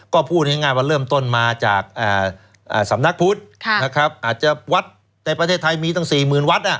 ก็พูดง่ายว่าเริ่มต้นมาจากสำนักพุทธนะครับอาจจะวัดในประเทศไทยมีตั้ง๔๐๐๐วัด